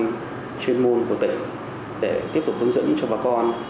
các chuyên môn của tỉnh để tiếp tục hướng dẫn cho bà con